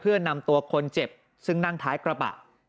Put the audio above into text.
เพื่อนำตัวคนเจ็บซึ่งนั่งท้ายกระบะ